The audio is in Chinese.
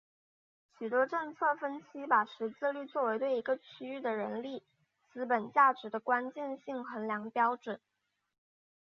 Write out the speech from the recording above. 许多政策分析把识字率作为对一个区域的人力资本价值的关键性衡量标准。